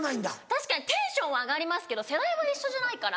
確かにテンションは上がりますけど世代は一緒じゃないから。